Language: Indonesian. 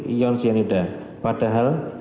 ion cyanida padahal